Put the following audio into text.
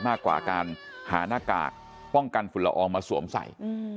มากกว่าการหาหน้ากากป้องกันฝุ่นละอองมาสวมใส่